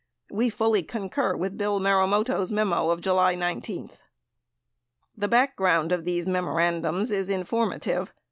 We fully concur with Bill Marumoto's memo of July 19. 89 The background of these memorandums is informative.